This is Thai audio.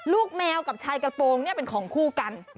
ลูกแมวกับชายกระโปรงเป็นของคู่กัน